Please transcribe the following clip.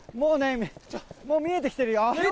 もう見えてきてるよ。